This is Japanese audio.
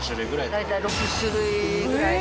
大体６種類ぐらい。